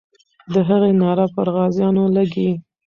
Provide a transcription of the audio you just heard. د هغې ناره پر غازیانو لګي.